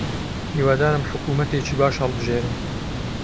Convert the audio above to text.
هیوادارم حکوومەتێکی باش هەڵبژێرن.